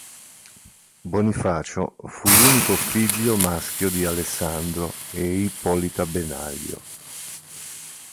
Bonifacio fu l'unico figlio maschio di Alessandro e Ippolita Benaglio.